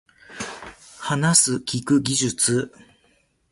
話す聞く技能